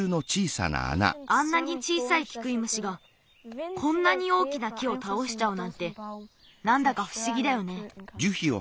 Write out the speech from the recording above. あんなに小さいキクイムシがこんなに大きな木をたおしちゃうなんてなんだかふしぎだよね。